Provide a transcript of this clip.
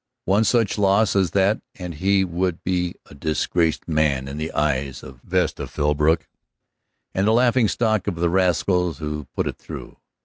One such loss as that and he would be a disgraced man in the eyes of Vesta Philbrook, and the laughing stock of the rascals who put it through.